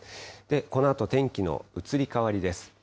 このあと天気の移り変わりです。